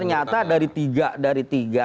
ternyata dari tiga dari tiga